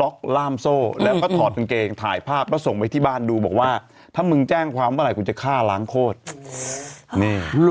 ล็อกล่ามโซ่แล้วก็ถอดบางเกงถ่ายภาพแล้วส่งไปที่บ้านดูบอกว่าถ้ามึงแจ้งความว่าอะไรคุณจะฆ่าล้างโคตร